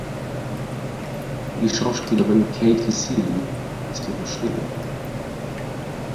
Die Schauspielerin Katie Seeley ist ihre Schwägerin.